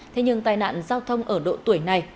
thế nhưng tai nạn giao thông ở độ tuổi này